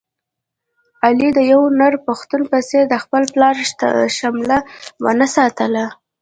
علي د یو نر پښتون په څېر د خپل پلار شمله و نه ساتله.